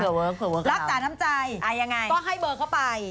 รักษาน้ำใจก็ให้เบอร์เข้าไป